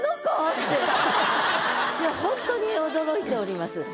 ホントに驚いております。